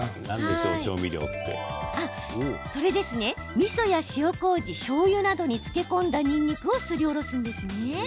みそや塩こうじしょうゆなどに漬け込んだにんにくをすりおろすんです。